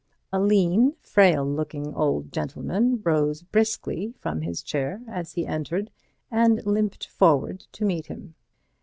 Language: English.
A lean, frail looking old gentleman rose briskly from his chair as he entered and limped forward to meet him.